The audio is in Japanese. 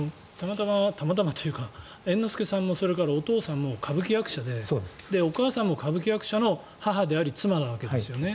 たまたま猿之助さんもそれからお父さんも歌舞伎役者でお母さんも歌舞伎役者の母であり妻なわけですよね。